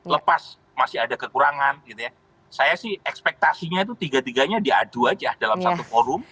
lepas masih ada kekurangan saya sih ekspektasinya itu tiga tiganya di adu aja dalam satu forum